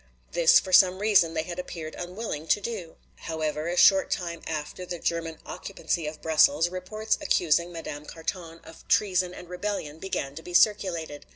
This for some reason they had appeared unwilling to do. However, a short time after the German occupancy of Brussels, reports accusing Madame Carton of treason and rebellion began to be circulated.